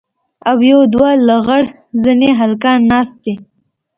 او يو دوه لغړ زني هلکان ناست دي.